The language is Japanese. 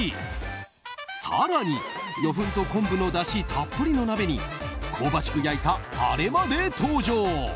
更に魚粉と昆布のだしたっぷりの鍋に香ばしく焼いたアレまで登場！